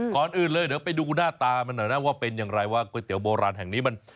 ก่อนอื่นเลยเดี๋ยวไปดูหน้าตามันหน่อยนะว่าเป็นอย่างไรว่าก๋วยเตี๋ยโบราณแห่งนี้มัน